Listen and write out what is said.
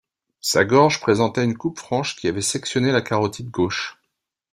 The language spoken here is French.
Sa gorge présentait une coupe franche qui avait sectionné la carotide gauche.